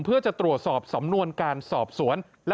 เพื่อจะตรวจสอบสำนวนการสอบสวน